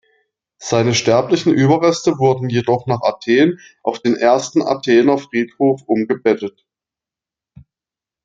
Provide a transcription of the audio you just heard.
Seine sterblichen Überreste wurden jedoch nach Athen auf den Ersten Athener Friedhof umgebettet.